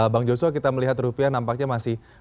bang joshua kita melihat rupiah nampaknya masih